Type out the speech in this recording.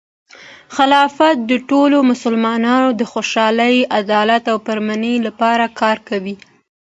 خلافت د ټولو مسلمانانو د خوشحالۍ، عدالت، او پرامنۍ لپاره کار کوي.